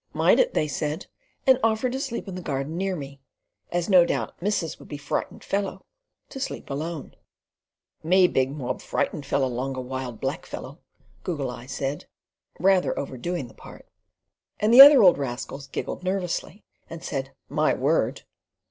"Might it," they said, and offered to sleep in the garden near me, as no doubt "missus would be frightened fellow" to sleep alone. "Me big mob frightened fellow longa wild black fellow," Goggle Eye said, rather overdoing the part; and the other old rascals giggled nervously, and said "My word!"